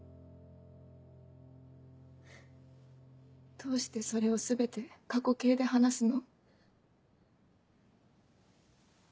どうしてそれを全て過去形で話すの？